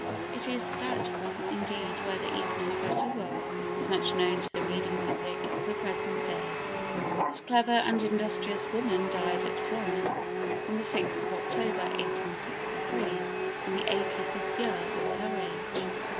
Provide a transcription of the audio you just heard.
It is doubtful, indeed, whether even her better work is much known to the reading public of the present day. This clever and industrious woman died at Florence on the 6th of October, 1863, in the eighty fifth year of her age.